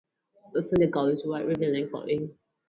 Often the girls wear revealing clothing.